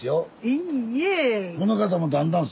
いいえ。ね？